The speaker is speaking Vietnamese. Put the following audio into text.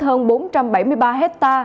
hơn bốn trăm bảy mươi ba hecta